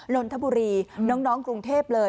นนทบุรีน้องกรุงเทพเลย